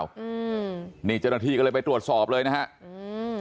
อืมนี่เจ้าหน้าที่ก็เลยไปตรวจสอบเลยนะฮะอืม